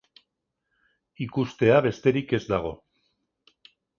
Ikustea besterik ez dago.